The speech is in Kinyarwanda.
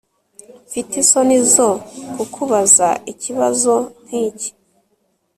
Mfite isoni zo kukubaza ikibazo nkiki